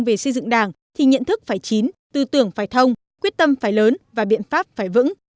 về xây dựng đảng thì nhận thức phải chín tư tưởng phải thông quyết tâm phải lớn và biện pháp phải vững